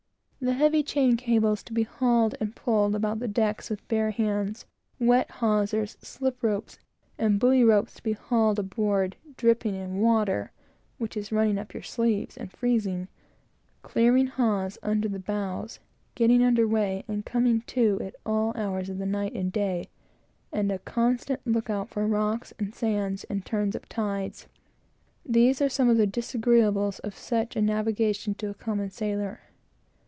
The heavy chain cables to be hauled and pulled about the decks with bare hands; wet hawsers, slip ropes, and buoy ropes to be hauled aboard, dripping in water, which is running up your sleeves, and freezing; clearing hawse under the bows; getting under weigh and coming to, at all hours of the night and day, and a constant look out for rocks and sands and turns of tides; these are some of the disagreeables of such a navigation to a common sailor.